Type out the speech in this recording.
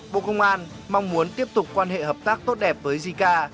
bộ công an mong muốn tiếp tục quan hệ hợp tác tốt đẹp với jica